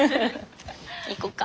行こっか。